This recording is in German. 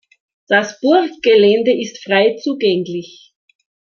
Das Burggelände ist frei zugänglich.